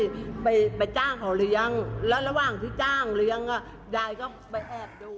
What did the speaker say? ไปไปจ้างเขาเลี้ยงแล้วระหว่างที่จ้างเลี้ยงอ่ะยายก็ไปแอบดู